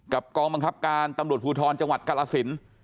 กับกองมังคับการตำรวจภูทรจังหวัดกลัลศินทร์